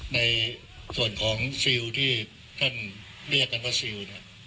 ในส่วนของฟิลที่ท่านเรียกกันว่าฟิลเนี่ย